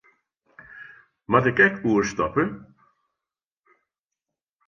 Moat ik ek oerstappe?